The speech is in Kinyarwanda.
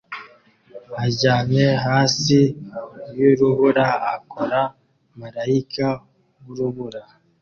aryamye hasi yurubura akora marayika wurubura